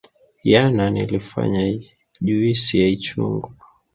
Yana nilifanya juisi ya ichungwa